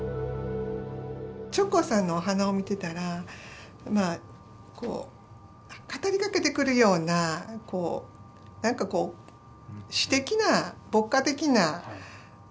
直行さんのお花を見てたらまあこう語りかけてくるようなこう何かこう詩的な牧歌的な何か感じますよね。